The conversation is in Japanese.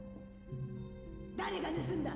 誰が盗んだ？